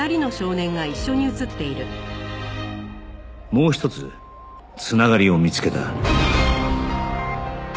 もう一つ繋がりを見つけた